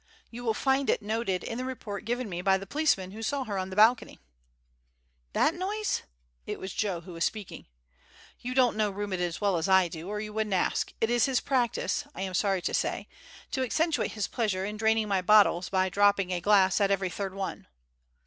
You will find it noted in the report given me by the policeman who saw her on their balcony. "That noise?" It was Joe who was speaking. "You don't know Reuben as well as I do or you wouldn't ask. It is his practice, I am sorry to say, to accentuate his pleasure in draining my bottles by dropping a glass at every third one."